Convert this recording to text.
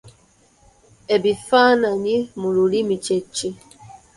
Ebifaananyi mu lulimi kye ki?